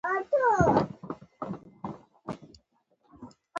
لرګی د کور جوړولو لپاره مهم دی.